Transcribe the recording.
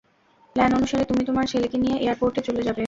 Plan অনুসারে, তুমি তোমার ছেলেকে নিয়ে এয়ারপোর্টে চলে যাবে।